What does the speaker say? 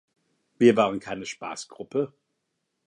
Wir waren keine Spaß-Gruppe.